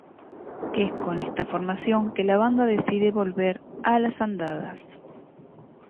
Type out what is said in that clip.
Es con esta formación que la banda decide volver a las andadas.